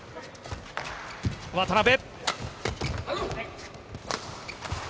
渡辺。